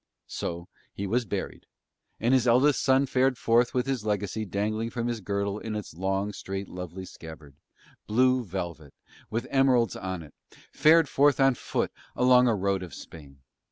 So he was buried, and his eldest son fared forth with his legacy dangling from his girdle in its long, straight, lovely scabbard, blue velvet, with emeralds on it, fared forth on foot along a road of Spain.